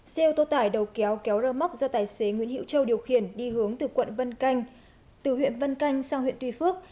xe ô tô tải đầu kéo kéo rơ móc do tài xế nguyễn hiệu châu điều khiển đi hướng từ quận vân canh từ huyện vân canh sang huyện tuy phước